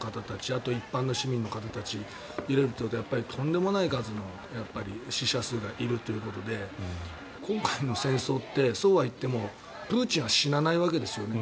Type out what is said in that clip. あと一般の市民の方たちを入れるととんでもない数の死者数がいるということで今回の戦争ってそうはいってもプーチンは死なないわけですよね。